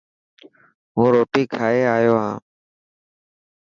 هون روٽي کائي آيو هان.